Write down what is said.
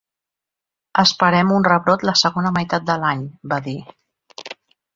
“Esperem un rebrot la segona meitat de l’any”, va dir.